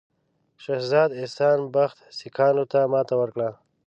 شهزاده احسان بخت سیکهانو ته ماته ورکړه.